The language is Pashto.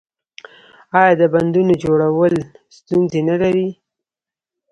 آیا د بندونو جوړول ستونزې نلري؟